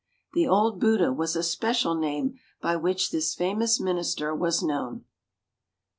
The old Buddha was a special name by which this famous minister was known.